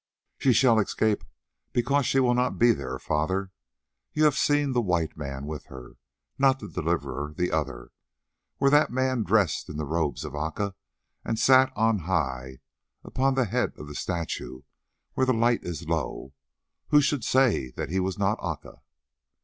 "She shall escape because she will not be there, father. You have seen the white man with her—not the Deliverer, the other. Were that man dressed in the robes of Aca, and sat on high upon the head of the statue when the light is low, who should say that he was not Aca?"